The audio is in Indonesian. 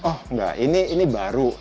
oh enggak ini baru